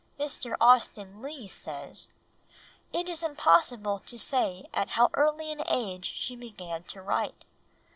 Mr. Austen Leigh says, "It is impossible to say at how early an age she began to write.